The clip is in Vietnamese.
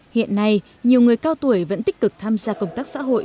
hiện nay nhiều người cao tuổi vẫn tích cực tham gia công tác xã hội